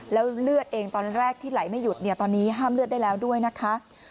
แล้วเลือดเองตอนแรกที่ไหลไม่หยุดเนี่ยตอนนี้ห้ามเลือดได้แล้วด้วยนะคะ